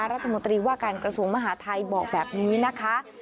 รัฐมนตรีว่าการกระทรวงมหาทัยบอกแบบนี้นะคะ